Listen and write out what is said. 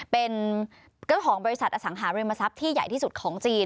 เป็นเจ้าของบริษัทอสังหาริมทรัพย์ที่ใหญ่ที่สุดของจีน